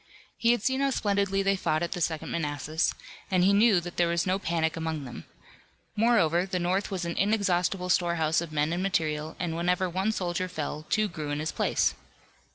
He had seen how splendidly they fought at the Second Manassas, and he knew that there was no panic among them. Moreover, the North was an inexhaustible storehouse of men and material, and whenever one soldier fell two grew in his place.